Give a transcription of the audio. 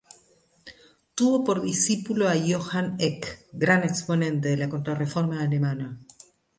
Tuvo por discípulo a Johann Eck, gran exponente de la Contrarreforma alemana.